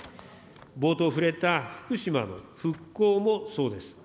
冒頭触れた、福島の復興もそうです。